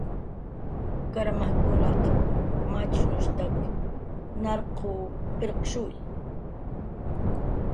Karmajkunaq machnushtak narquw pirqshuwi